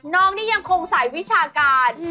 น้องนี่ยังคงใส่วิชาการ